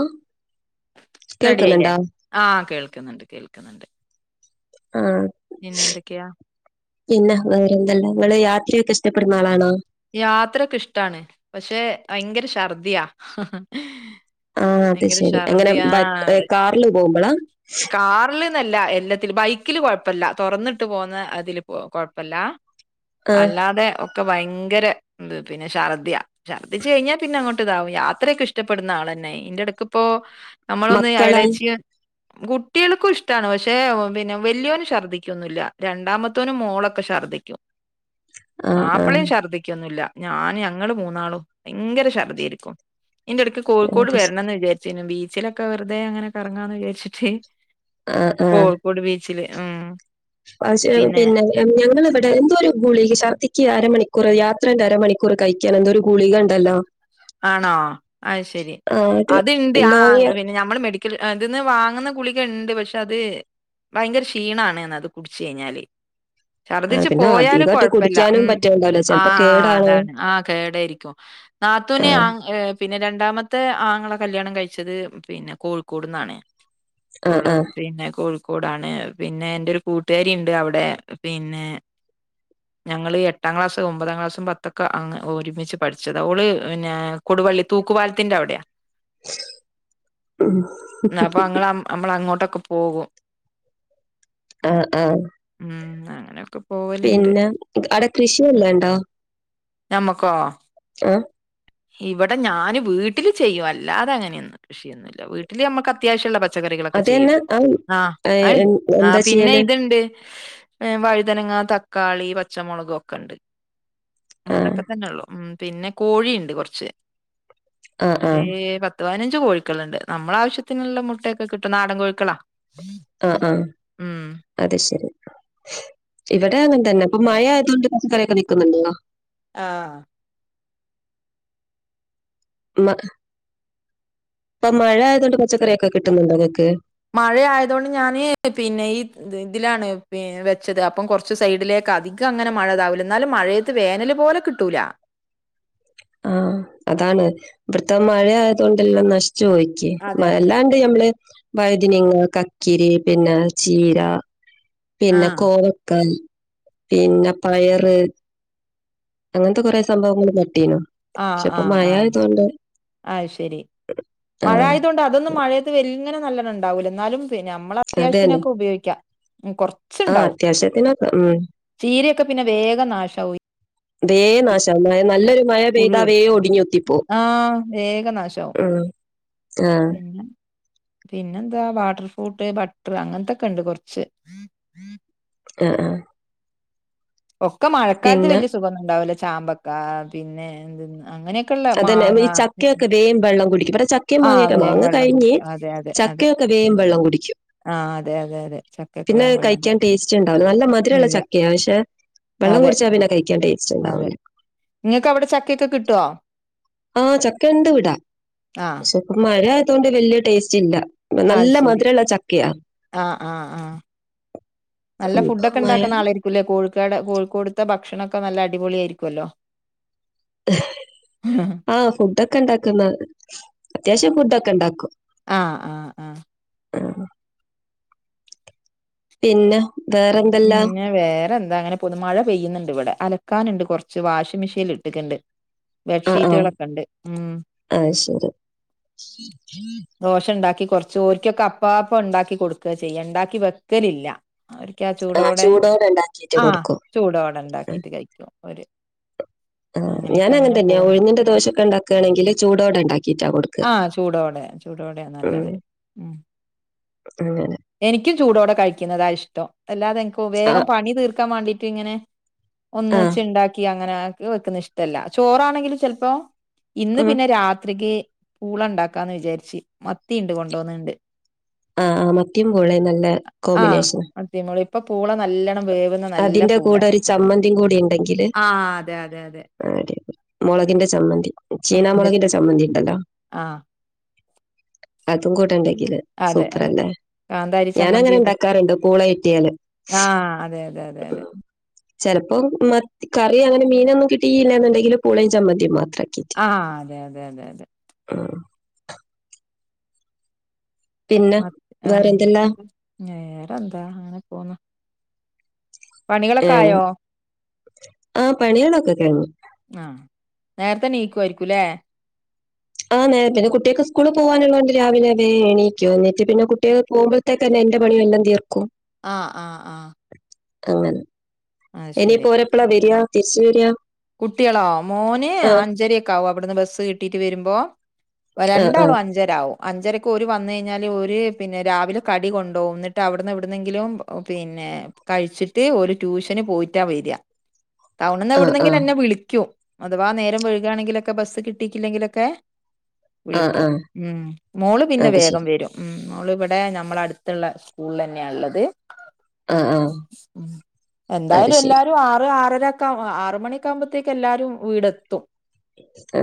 ആ റെഡി ആയില്ലേ കേൾക്കുന്നുണ്ടോ ആ കേ ആ പിന്നെ വേറെന്തല്ല ഇങ്ങള് യാത്രയൊക്കെ ഇഷ്ടപ്പെടുന്ന ആളാണോ യാത്രയൊക്കെ ഇഷ്ടാണ് പക്ഷെ ഭയങ്കര ഛർ ആ അത് ഭയങ്കര ശരി അങ്ങനെ ഛർദിയാ കാറിൽ പോകുമ്പോളാ [unintelligible] ല്ല എല്ലത്തില് ബൈക്കില് കൊഴപ്പല്ല തുറന്നിട്ട് പോന്ന അതില് കൊഴപ്പല്ല ആ അല്ലാതെ ഒക്കെ ഭയങ്കര പിന്നെ ഷർദിയ ഛർദിച്ച് കഴിഞ്ഞാൽ പിന്നെ അങ്ങോട്ട് ഇതാവും യാത്രയൊക്കെ ഇഷ്ടപ്പെടുന്ന ആളന്നെ ഇന്റെ ഇടക്കിപ്പോ നമ്മളൊന്ന് മക്കളാ എളേച്ചി കുട്ടികൾക്കും ഇഷ്ടമാണ് പക്ഷേ പിന്നെ വല്യോന് ഛർദിക്കൊന്നുംല്ല രണ്ടാമത്തോനും മോളൊക്കെ ഷ ഛർദിക്കും ആ ആ മാപ്പിളയും ഛർദ്ദിക്കൊന്നുല്ല ഞാന് ഞങ്ങള് മൂന്നാളും ഭയങ്കര ഛർദിയായിരിക്കും ന്റെ ടക്ക് കോഴിക്കോട് അത് ശ- വരണം എന്ന് വിചാരിച്ചിരുന്നു ബീച്ചിലൊക്കെ വെർതെ ങ്ങനെ കറങ്ങാന്ന് വിചാരിച്ചിട്ട് കോഴിക്കോട് ബീച്ചില് ഉം പശേ പിന്നെ ഞങ്ങ് ഞാങ്ളിവിടെ എന്തോ ഒരു ഗുളിക് ഛർദിക് അരമണി കുറ യാത്രന്റെ അരമണിക്കൂർ കഴിക്കാൻ എന്തൊരു ഗുളികണ്ടല്ലോ ആണോ അഹ്ശെരി അത് അത്ണ്ട് ആ ലോങ് ഇങ്ങൾ പിന്നെ നഞമ്മൾ മെടി - - ക്കല് ഇതിന്ന് വാങ്ങുന്ന കുളിക ണ്ട് പക്ഷെ അത് ഭയങ്കര ക്ഷീണാ ണ്ന്ന് അത് കുടിച്ചഴിഞ്ഞാല് ആ ഛർദിച്ചു പിന്നെ പോയാലും അധികമായിട്ട് കൊഴപ്പല്ല കുടിക്കാനും ഉം പറ്റുന്നുണ്ടാവില്ല ആഹ് ചിലപ്പോ ആ കേടാണോ അതാണ് ആ കേടായിരിക്കും നാത്ത് ആ തുനെ ആർ പിന്നെ രണ്ടാമത്തെ ആങ്ങള കല്ല്യാണം കഴിച്ചത് പിന്നെ കോഴിക്കോട്ന്നാണ്. ആ ഓൾ ആ പിന്നെ കൊൾ കൂടാണ് പിന്നെ എന്റെ ഒരു കൂട്ടുകാരിണ്ട് അവിടെ പിന്നെ ഞങ്ങള് എട്ടാം ക്ലാസ് ഒമ്പതാം ക്ലാസും പത്തൊക്കെ അങ് ഒരുമിച്ച് പഠിച്ചത അവള് പിന്നെ കൊടുവള്ളി തൂക്കുപാലത്തിന്റെ അവിടെയാ ഉം. ന്നാപ്പൊ അങ്ങള് അമ്മള അങ്ങോട്ട ക്കെ പോകും ആ ആ ഉം അങ്ങനെയൊക്കെ പോവലുണ്ട് പിന്നെ അടെ കൃഷിയല്ലണ്ടോ? നമക്കോ? ആ ഇവിടെ ഞാൻ വീട്ടില് ചെയ്യും അല്ലതേ അങ്ങനെയൊന്നും കൃഷിയൊന്നുംല്ല വീട്ടില് അമ്മക്കത്യാവശ്യമുള്ള പച്ചക്കറികളൊക്കെ അത് ചെയ്യും തന്നെ ആ ഏ, അണ്ട് എൻ- ആ എന്താ പിന്നെ ചെയ്യല് ഇത്ണ്ട് വഴുതനങ്ങ തക്കാളി പച്ചമൊളക് ഒക്കെ ണ്ട് ആ അതൊക്കെ തന്നെള്ളു ഉം പിന്നെ കോഴിണ്ട് കൊർച്ച് ആ ആ അതേ പ പ പതിനഞ്ച് കോഴിക്കളുണ്ട് നമ്മള ആവശ്യത്തിനുള്ള മുട്ടയൊക്കെ കിട്ടും നാടൻ കോഴിക്കളാ ആ ആ ഉം അത് ശരി ഇവിടെ അങ്ങൻതന്ന പം മഴ ആയതുഓണ്ട് പറച്ചക്കറിയൊക്കെ നിക്കുന്നുണ്ടോ? ആ മ ഇപ്പൊ മഴ ആയത കൊണ്ട് പച്ചക്കറിയൊക്കെ കിട്ടുന്ന്ണ്ടോ ഇങ്ങക്ക്? മഴ ആയതൊണ്ട് ഞാന് പിന്നെ ഈ ഇതിലാണ് വെച്ചത് അപ്പം കൊർച്ച് സൈഡിലേക്ക് ക്കാ അധിക അങ്ങനെ മഴതാവുല ന്നാലും മഴയത്ത് വേനല് പോലെ കിട്ടൂല ആ അതാണ് ഇവിടുത്തെ മഴ ആയതോണ്ടല്ലാം നഷ് ചോയ്ക്കേ അതെ അതെ മയല്ലാണ്ട് അതെ ഞമ്മള് വൈദിന്ങ്ങ കാ കിരി പിന്നെ ചീര പിന്നെ ആഹ് കോവക്കൽ പിന്നെ പയറ് അങ്ങനത്തെ കുറെ സംഭവങ്ങൾ പട്ടീകണ് പക്ഷെപ്പ മഴ ആതോണ്ട് ആശെരി മഴ ആയതുകൊണ്ട് അതൊന്നും മഴയത് വെൽങ്ങനെ നല്ലണ്ണം ണ്ടാവൂല ന്നാലും അമ്മള അത് തന്നെ അത്യാവശ്യത്തിനൊക്കെ ഉപയോഗിക്കാം പിന്നെ ആ കൊർച്ച്ണ്ടാവും. അത്യാവശ്യത്തിനൊക്കെ ഉം ചീരയൊക്കെ പിന്നെ വേഗം നാശവും തേ നാശ മഴ നല്ലൊരു മഴ പുഴു പെയ്താ വേ വരും ഒടിഞ്ഞുത്തിപ്പോവു ആഹ് വേഗം നാശാവും ആ ആ പിന്നെ പിന്നെന്താ വാട്ടർ ഫ്രൂട്ട് ബട്ട്ർ അങ്ങനത്തൊക്കെണ്ട് കൊർച്ച് ആ ആ ഒക്കെ മഴക്കാലത്ത് പിന്നെ വെലിയ സുഖോന്ന് ഉണ്ടാവുല ചാമ്പക്ക പിന്നെ എ അങ്ങനെയെ ക്ക്ള്ള അതന്നെ മാങ്ങ ഈ ചക്കയൊക്കെ വേഗം വെള്ളം കുടിക്കും ഇവിടെ ചക്കയും ആ മാങ്ങയൊക്കെ വേഗം മാങ്ങ വെള്ളം കഴിഞ്ഞ് കുടിക്കും അതെ അതെ അതെ ചക്കയൊക്കെ വേഗം വെള്ളം കുടിക്കും ആ അതെ അതെ അതെ ചക്കക്കെ പിന്നെ വേൻ വെള്ളം കഴിക്കാൻ ടേസ്റ്റ് നല്ല മധുരള്ള ഇല്ല ചക്കയ പക്ഷെ വെള്ളം കുടിച്ചാ പിന്നെ കഴിക്കാൻ ടേസ്റ്റ്ണ്ടാവുലാ നിങ്ങക്ക് അവിടെ ചക്കയൊക്കെ കിട്ടുവോ? ആ ചക്ക ഇണ്ടിവിടാ ആ പക്ഷേപ്പ മഴ ആയതൊണ്ട് വെല്ല്യ ടേസ്റ്റ് ഇല്ല. അത് നല്ല ശരി മധുരമുള്ള ചക്കയാ. ആ ആ ആ നല്ല ഉം, ഇപ്പൊ ഫുഡോക്കെ മഴ ഉണ്ടാക്കുന്ന ആളായിരിക്കൂല്ലേ കോഴി അടെ കോഴിക്കോടത്തെ ഭക്ഷണമൊക്കെ നല്ല അടിപൊളിയാരിക്കുമല്ലോ. ആ ഫുഡൊക്കെ ഇണ്ടാക്കുന്നോ അത്യാവശ്യം ഫുഡൊക്കെ ഇണ്ടാക്കും. ആ ആ ആ ആ പിന്നെ വേറെന്തല്ല പിന്നെ വേറെന്താ അങ്ങനെപോന്നു മഴ പെയ്യുന്നുണ്ട് ഇവിടെ. അല ക്കാനുണ്ട് കൊറച്ച് വാഷിംഗ് മെഷീനിൽ ഇട്ടിട്ടുണ്ട്. ആ ആ ബെഡ്ഷീറ്റുകളൊക്കെ ഉണ്ട് ഉം ആഹ് ശരി. [inaudible] കൊറച്ചോർക്കൊക്കെ അപ്പാപ്പം ഉണ്ടാക്കി കൊടുക്കുവാ ചെയ്യ, ഉണ്ടാക്കി വെക്കലില്ല... ക്ക ആഹ് ചൂടോടെ? ഉണ്ടാക്കിയിട്ട് ആ കൊടുക്കും. ചൂടോടെ ഉം. ഉണ്ടാക്കീട്ട് കഴിക്കും ഓരു ആഹ് ഞാനും അങ്ങനെ തന്നെയാ ഉഴുന്നിന്റെ ദോശൊക്കെ ഉണ്ടാക്കയാണെങ്കില് ചൂടോടെ ഉണ്ടാക്കിട്ടാ കൊടുക്ക. ടോടെയ നല്ലത് മം. അങ്ങനെ. എനിക്കും ചൂടോടെ കഴിക്കുന്നതാ ഇഷ്ടം അല്ലാതെ എനിക്ക വേഗം ആഹ് പണി തീർക്കാൻ വാണ്ടീട്ട് ഇങ്ങനെ ആഹ് ഒന്നച്ച് ഉണ്ടാക്കി അങ്ങനെ ആക്കി വെക്കുന്ന ഇഷ്ടല്ല ചോറാണെങ്കില് ചെലപ്പോ ഇന്ന് ഉം. പിന്നെ രാത്രിക്ക് പൂളണ്ടാക്കാന്ന് വിചാരിച്ച് മത്തിണ്ട് കൊണ്ടോന്നണ്ട്. ആഹ് മത്തീം പൂളേം നല്ല കോമ്പിനേഷനാ. മത്തീം, പൂളേം, ഇപ്പ പൂള നല്ല വേവുന്ന അതിന്റെ പൂളെ കൂടെ ഒരു ചമ്മന്തിയും കൂടി ഉണ്ടെങ്കില് ആഹ് അതെ അതെ അതെ അടി.. മുളകിന്റെ ചമ്മന്തി ചീനാ മുളകിന്റെ ചമ്മന്തി ഉണ്ടല്ലോ? ആ അതും കൂട്ടണ്ടായി. [unintelligible] അതെ അതെ സൂപ്പർല്ലേ കാന്താരി ചമ്മന്തി ഞാനങ്ങനെ അത് ഉണ്ടാക്കാറുണ്ട് പൂള കിട്ടിയാല്. ആഹ് അതെ അതെ അതെ. ചിലപ്പം മത്തി കറി അങ്ങനെ മീനൊന്നും കിട്ടിയില്ല എന്നുണ്ടെങ്കില് പുളയും ചമ്മന്തി മാത്ര ആ അതെ അതെ അതെ അതെ ഉം. പിന്നെ മത്തി വേറെ എന്തെല്ലാ? വേറെന്താ അങ്ങനെ പോന്ന്. പണികളൊക്കെ ഏഹ് ആയോ? ആ പണികളൊക്കെ കഴിഞ്ഞു. ആ. നേരത്തെ നീക്കുവായിരിക്കൂലെ. ആ നേരത്തിനു കുട്ടികൾക്ക് സ്കൂളി പോവാനുള്ളതോണ്ട് രാവിലെ വേം എണീക്കു എന്നിട്ട് പിന്നെ കുട്ടിക പോകുമ്പഴത്തേക്ക് തന്നെ എന്റെ പണി എല്ലാം തീർക്കും ആഹ് ആഹ് ആഹ് അങ്ങനെ അത് ശരി ഇനിപ്പോരെപ്പളാ വരിയാ തിരിച്ചു വരിയാ കുട്ടികളോ, മോന് അഞ്ചരയൊക്കെ ആവും അവിടുന്ന് ബസ്സ് കിട്ടീട്ട് വരുമ്പോ. ആ ആ രണ്ടാളും അഞ്ചരാവും. അഞ്ചരക്ക് ഓര് വന്നുകഴിഞ്ഞാല് ഓരു പിന്നെ രാവിലെ കടി കൊണ്ടോവും എന്നിട്ട് അവിടുന്ന് എവിടുന്നെങ്കിലും പിന്നെ.. ഏ കഴിച്ചിട്ട് ഓരു ട്യൂഷന് പോയിട്ടാ വര്യ. ടൗണിന്ന് ആ എവിടുന്നെങ്കിലും എന്നെ വിളിക്കും അഥവാ നേരം വൈകാണെങ്കിലൊക്കെ ബസ്സ് കിട്ടീക്കില്ലെങ്കിലൊക്കെ ആ ആ ആ വിളിക്കും ഉം മോള് പിന്നെ അത് വേഗം ശരി. വരും ഉം. മോളിവിടെ നമ്മള അടുത്തുള്ള സ്കൂളിലന്നെയാ ഉള്ളത് ആ ആ ഉം ഉം അത് എന്തായാലും ശരി. എല്ലാരും ആറ് ആറരാക്കെ, ആറ് മണി ക്കാവുമ്പോത്തേക്ക് എല്ലാരും വീടെത്തും. ആ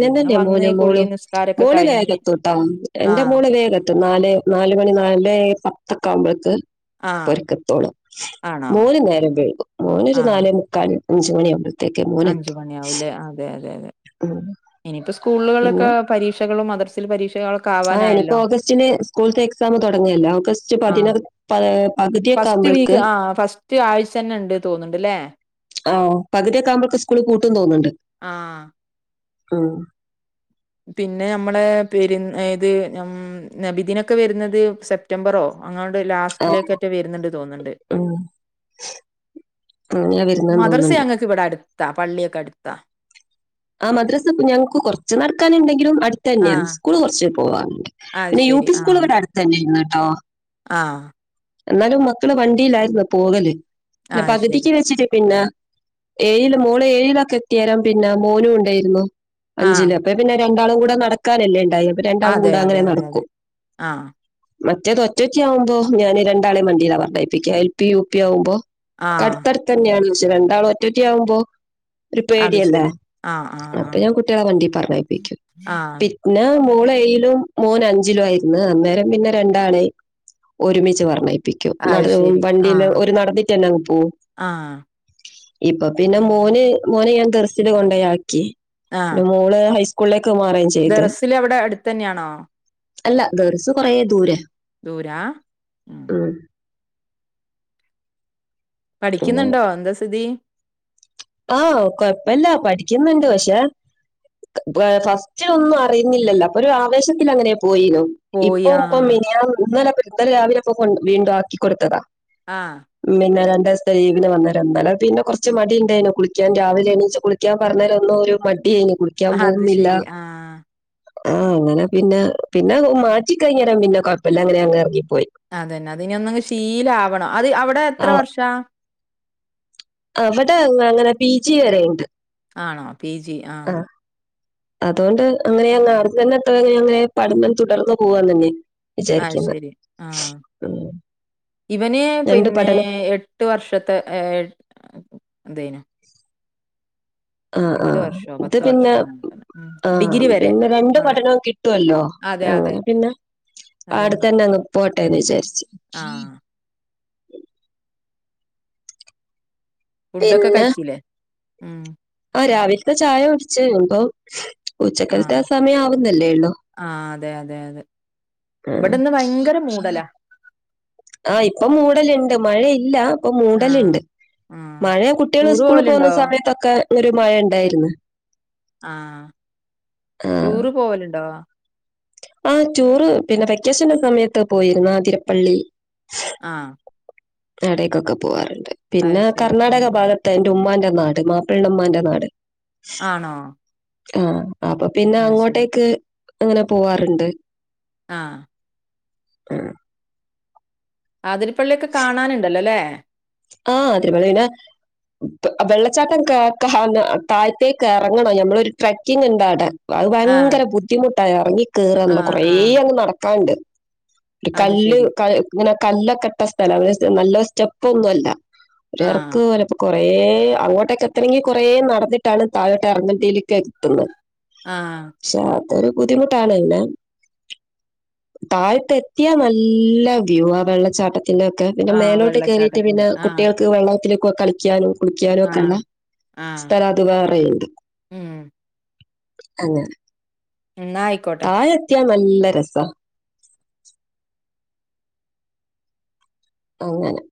പിന്നെ വന്ന് മോനും കുളി മോളും. നിസ്കാരൊക്കെ മോള് കഴിഞ്ഞ് വേഗത്തുട്ടോ, എന്റെ ആഹ് മോള് വേഗം നാല്, നാല് നാലുമണി നാല് പത്തൊക്കെ ആവുമ്പളെക്ക് ആഹ് ഓരൊക്കെത്തോളു, ആണോ മോന് നേരം വൈകും മോനൊരു നാലേ മുക്കാല് അഞ്ച് മണി ആവുമ്പ.. അഞ്ചു മണിയാവൂലേ, അതെ അതെ അതെ. ഉം ഇനിയിപ്പോ പിന്നെ സ്കൂളുകളൊക്കെ പരീക്ഷകളും മദരസേല് പരീക്ഷ ആ ഇനിയിപ്പോ ഓഗസ്റ്റിന് സ്കൂളത്തെ എക്സാം തുടങ്ങുവല്ലേ ഓഗസ്റ്റ് ആഹ് പതിനൊ പ.. പകുതിയൊക്കെ ഫസ്റ്റ് വീക്ക്, ആകുമ്പോൾക്ക് ആ ഫസ്റ്റ് ആഴ്ച തന്നെ ഉണ്ട് തോന്നുന്നുണ്ട്ല്ലേ ആ പകുതിയൊക്ക ആകുമ്പോത്തേക്ക് സ്കൂള് പൂട്ടൂന്ന് തോന്നുന്നുണ്ട് ആഹ് ആ.. പിന്നെ നമ്മള് പെരുന്ന് ഇത് ഞം നബിദിനൊക്കെ വരുന്നത് സെപ്റ്റംബറോ അങ്ങാ ആ ലാസ്റ്റിലേക്കറ്റെ വരുന്നുണ്ട് തോന്നണ്ട്. ഉം അങ്ങനെ വരുന്നെന്ന് മദറസ തോന്നുന്നുണ്ട് അങ്ങക്ക് ഇവിടെ അടുത്താ, പള്ളിയൊക്കെ അടുത്താ. ആ മദ്രസ ഇപ്പ ഞങ്ങക്ക് കുറച്ച് നടക്കാനുണ്ടെങ്കിലും അടുത്തന്നെയാണ് ആഹ് സ്കൂള് കുറച്ച് പോവാം.. അത് പിന്നെ യു ശരി പി സ്കൂൾ ഇവിടെ അടുത്ത് തന്നെയായിരുന്നൂട്ടോ. ആ എന്നാലും മക്കള് വണ്ടിയിലായിരുന്നു പോകല് പിന്നെ അത് ശരി പകുതിക്ക് വെച്ചിട്ട് പിന്നെ ഏഴില് മോള് ഏഴിലൊക്കെ എത്തിയേരം പിന്നെ മോനും ഉണ്ടായിരുന്നു, അഞ്ചില്. ആഹ് അപ്പൊ പിന്നെ രണ്ടാളും കൂടെ നടക്കാനല്ലേ ണ്ടായേ അപ്പൊ രണ്ടാളും അതെ കൂടെ അതെ അങ്ങനെ അതെ അതെ നടക്കും. ആഹ് മറ്റേത് ഒറ്റൊറ്റയാവുമ്പോ ഞാന് രണ്ടാളേം വണ്ടിയിലാ പറഞ്ഞയപ്പിക്ക എൽ പി യു പി ആവുമ്പോ ആഹ് അടുത്തടുത്ത് തന്നെയാണന്നോച്ച് രണ്ടാളും ഒറ്റയൊറ്റ ആവുമ്പോ ഒരു അത് പേടിയല്ലേ... ശരി. ആഹ് ആഹ് അപ്പൊ ആഹ് ഞാൻ കുട്ടികളെ വണ്ടീ പറഞ്ഞയപ്പിക്കും ആഹ് പിന്നെ മോളെ ഏയിലും മോന് അഞ്ചിലും ആയിരുന്നു. അന്നേരം പിന്നെ രണ്ടാളേം ഒരുമിച്ച് വറ ത്തിക്കും അത് നടന്ന് ശരി. വണ്ടീല് ആഹ് ഓര് നടന്നിട്ടന്നെ അങ്ങ് പോകും. ആഹ് ഇപ്പൊ പിന്നെ മോന് മോനെ ഞാൻ ദർസില് കൊണ്ടോയാക്കി പിന്നെ മോള് ഹൈസ്കൂളിലേ ദർസില് അവിടെ അടുത്തന്നെയാണോ? അല്ല ദർസ് കൊറേ ദൂരെ. ദൂരാ..? ഉം ഉം പിന്നെ പഠിക്കുന്നുണ്ടോ എന്താ സ്ഥിതി? ആ കൊഴപ്പില്ല പഠിക്കുന്നുണ്ട്. പക്ഷേ ഫസ്റ്റ് ഒന്നും അറിയുന്നില്ലല്ലോ അപ്പൊ ഒരു ആവേശത്തിലങ്ങനെ പോയിനു പോയി ഇപ്പോപ്പം ആഹ് മിനിയാൻ ഇന്നല പ ഇന്നലെ രാവിലെ അപ്പൊ കൊ വീണ്ടും ആക്കി കൊടുത്തതാ. ആഹ് ഉംപിന്നെ രണ്ടു ദിവസത്തെ ലീവിന് വന്നതാ. ഇന്നലെ പിന്നെ കൊറച്ച് മടി ഉണ്ടേനു കുളിക്കാൻ രാവിലെ എണീച്ച് കുളിക്കാൻ പറഞ്ഞാലൊന്നും ഒരു മടി അയ്ന് കുളിക്കാൻ അത് പോകുന്നില്ല. ശരി ആഹ് ആ അങ്ങനെ പിന്നെ പിന്നെ മാറ്റിക്കഴിഞ്ഞേരം പിന്നെ കൊഴപ്പല്ലാ. അങ്ങനെ അങ്ങ് ഇറങ്ങി അതന്നെ അതിനി ഒന്നങ്ങ് ശീലാവണം. അത് അവിടെ എത്ര വർഷാ? അവടെ അങ്ങനങ്ങനെ പീ ജി വരേണ്ട്. ആണോ? പി ജി ആ അതുകൊണ്ട് അങ്ങനെ അങ്ങ് [unintelligible] അങ്ങനെ പഠനം തുടർന്നു പോവാൻ തന്നെ ആ വിചാരിക്കുന്നത് ശരി ആ.. ഉം. ഇവന് രണ്ട് പിന്നെ പഠന എട്ട് വർഷത്തെ ഏ എന്തേനു ആ ആ എട്ട് വർഷോ ഇത് പത്ത് പിന്നെ വർഷോ അങ്ങനെ എന്തോ ഉം ആ ഡിഗ്രി വരെ പിന്നെ അവിടെ രണ്ടുപഠനോം കിട്ടുവല്ലോ. അതെ, അതെ. അങ്ങനെ പിന്നെ അ അതന്നെ. ആ. ഫുഡൊക്കെ പിന്നെ കഴിച്ചൂലേ? ഉം. ആ രാവിലത്തെ ചായ കുടിച്ച് അമ്പോ ആ. ഉച്ചക്കലത്തെ സമയം ആവുന്നല്ലേ ള്ളൂ. ആ. അതെ അതെ അതെ ആ.. ഇബടെന്ന് ഭയങ്കര മൂടലാ. ആ ഇപ്പൊ മൂടലുണ്ട് മഴയില്ല ഇപ്പൊ ആ. മൂടലുണ്ട്. ആ. മഴെയാ കുട്ടികള് ടൂറ് ഉസ്കൂളി പോകുന്ന പോവലുണ്ടോ? സമയത്തൊക്കെ ഒരു മഴേണ്ടായിരുന്നു. ആ.. ടൂറ് പോവലുണ്ടോ? ആ ടൂറ് പിന്നെ വെക്കേഷന്റെ സമയത്ത് പോയിരുന്നു ആതിരപ്പള്ളി ആ എടക്കൊക്കെ പോകാറുണ്ട് അത് പിന്നെ ശരി. ആ. കർണ്ണാടക ഭാഗത്ത [unintelligible] ന്റെ ഉമ്മാന്റെ നാട് മാപ്പിൾടെ ഉമ്മാന്റെ നാട് ആണോ? ആ അപ്പൊ പിന്നെ അത് ശരി. അങ്ങോട്ടേക്ക് അങ്ങനെ പോവാറുണ്ട്. ആഹ് [inaudible] ആതിരപ്പള്ളിയൊക്കെ കാണാനുണ്ടല്ലോ അല്ലേ? ആ ആതിരപ്പള്ളി [unintelligible] വെള്ളച്ചാട്ടം [unintelligible] താഴത്തേക്ക് ഇറങ്ങണം നമ്മളൊരു ട്രക്കിങ് ഇണ്ടവിടെ അത് ആ. ഭയങ്കര ബുദ്ധിമുട്ടായി ഇറങ്ങി ആ, കേറുന്നുള്ള കുറേ ആ. അങ്ങ് നടക്കാനുണ്ട്. ഒരു അത് കല്ല് ശരി. ക ഇങ്ങനെ കല്ലൊക്കെട്ട സ്ഥലം അ നല്ല സ്റ്റെപ്പ ഒന്നും അല്ല. ആ. ഒരറക്ക് [unintelligible] കുറേ അങ്ങോട്ടൊക്കെ എത്തണമെങ്കിൽ കൊറേ നടന്നിട്ടാണ് താഴോട്ടെ ഇറങ്ങഹത്തിലേക്ക് എത്തുന്നത്. ആഹ ഒരു ബുദ്ധിമുട്ടാണ് പിന്നെ. താഴത്തെ എത്തിയായ നല്ല വ്യൂ ആ വെള്ളച്ചാട്ട പിന്നൊക്കെ പിന്നെ ആ. മേലോട്ട് കേറിയിട്ട് പിന്നെ വെള്ളച്ചാട്ടത്തിന്റെ. ആ. കുട്ടികൾക്ക് വെള്ളത്തിലേക്കൊക്കെ കളിക്കാനും. കുളിക്കാനും ആ. ഒക്കെയള്ള ആ. സ്ഥലത് വേറെയുണ്ട്. മ്മ്. അങ്ങനെ! ന്നാ ആയിക്കോട്ടെ. താഴെത്തിയാ നല്ല രസാ. അങ്ങനെ